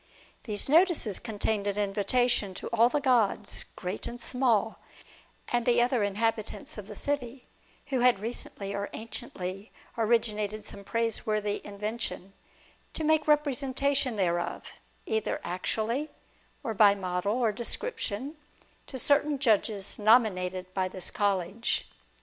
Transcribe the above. These notices contained an invitation to all the gods, great and small, and the other inhabitants of the city, who had recently or anciently originated some praiseworthy invention, to make representation thereof, either actually, or by model or description, to certain judges nominated by this College.